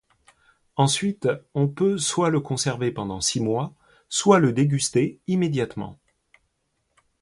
Ensuite on peut soit le conserver pendant six mois, soit le déguster immédiatement.